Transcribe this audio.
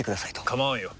構わんよ。